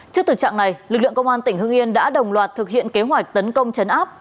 trước thực trạng này lực lượng công an tỉnh hưng yên đã đồng loạt thực hiện kế hoạch tấn công chấn áp